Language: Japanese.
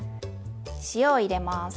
塩を入れます。